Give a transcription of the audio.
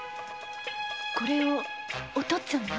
これをお父っつぁんが？